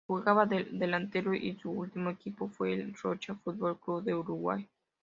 Jugaba de delantero y su último equipo fue el Rocha Fútbol Club de Uruguay.